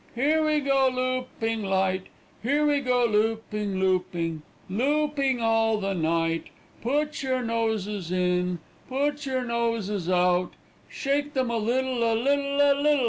Here we go looping light. Here we go looping, looping. Looping all the night. Put your noses in, Put your noses out, Shake them a little, a little, a little.